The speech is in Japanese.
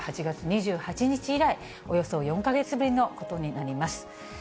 ８月２８日以来、およそ４か月ぶりのことになります。